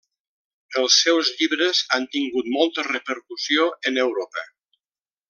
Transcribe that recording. Els seus llibres han tingut molta repercussió en Europa.